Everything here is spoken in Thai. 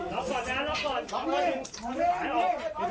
รับก่อนรับก่อนรับมานี่รับมานี่รับมานี่